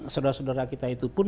saudara saudara kita itu pun